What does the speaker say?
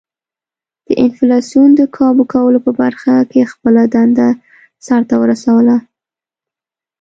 د انفلاسیون د کابو کولو په برخه کې خپله دنده سر ته ورسوله.